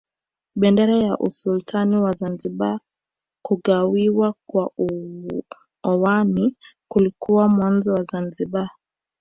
Bendera ya Usultani wa Zanzibar Kugawiwa kwa Omani kulikuwa mwanzo wa Zanzibar